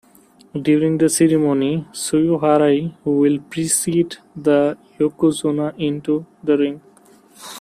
During the ceremony the "tsuyuharai" will precede the "yokozuna" into the ring.